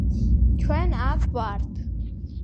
ჩვენ აქ ვართ